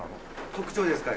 特徴ですか？